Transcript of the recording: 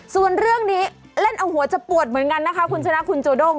ส่วนเรื่องนี้เล่นเอาหัวจะปวดเหมือนกันนะคะคุณชนะคุณจูด้ง